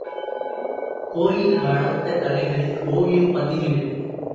கோயில் வளர்த்த கலைகள் ஓவியம் பதினேழு .